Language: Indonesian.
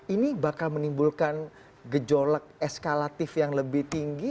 ini bakal menimbulkan gejolak eskalatif yang lebih tinggi